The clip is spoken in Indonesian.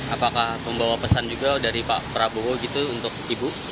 apakah membawa pesan juga dari pak prabowo gitu untuk ibu